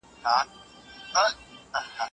په لاس لیکلنه د زده کوونکي د ژوند کیسه ده.